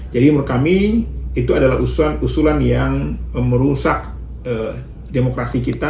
jadi menurut kami itu adalah usulan yang merusak